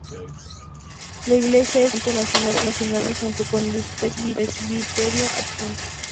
La iglesia es un monumento nacional registrado junto con el presbiterio adjunto.